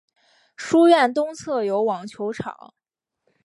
书院东侧有网球场。